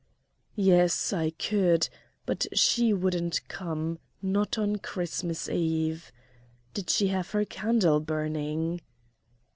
"Yes, I could, but she wouldn't come, not on Christmas Eve. Did she have her candle burning?"